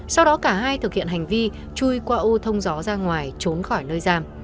sau đó cả hai thực hiện hành vi chui qua ô thông gió ra ngoài trốn khỏi nơi giam